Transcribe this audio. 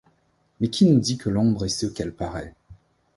Mais qui nous dit que l’ombre est ce qu’elle paraît ?